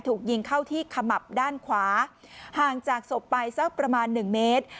ถูกยิงเข้าที่ขมับด้านขวาห่างจากศพไปสักประมาณหนึ่งเมตร